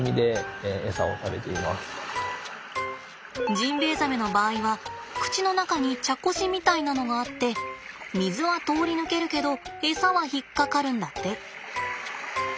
ジンベエザメの場合は口の中に茶こしみたいなのがあって水は通り抜けるけどエサは引っ掛かるんだって。